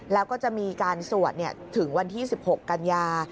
แล้วก็จะมีการสวดถึงวันที่๑๖กันยา